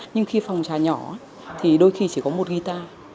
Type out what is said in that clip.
nhưng khi phòng trà nhỏ thì đôi khi chỉ có một guitar